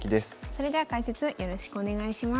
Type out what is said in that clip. それでは解説よろしくお願いします。